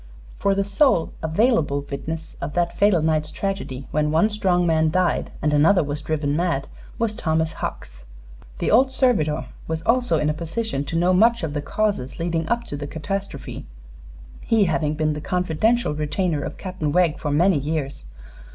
For the sole available witness of that fatal night's tragedy, when one strong man died and another was driven mad, was Thomas Hucks. The old servitor was also in a position to know much of the causes leading up to the catastrophe, he having been the confidential retainer of Captain Wegg for many years.